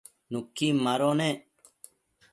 nuquin mado nec